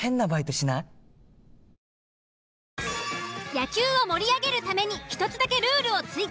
野球を盛り上げるために１つだけルールを追加。